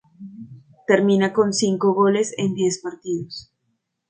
Termina con cinco goles en diez partidos.